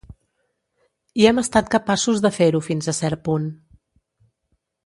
I hem estat capaços de fer-ho fins a cert punt.